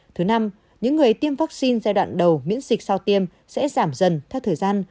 thứ năm những người tiêm vaccine giai đoạn đầu miễn dịch sau tiêm sẽ giảm dần theo thời gian